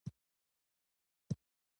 ظلمونه به پر خلکو باندې کول.